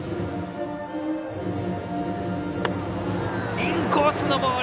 インコースのボール！